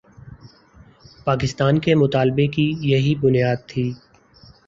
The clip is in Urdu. پاکستان کے مطالبے کی یہی بنیاد تھی۔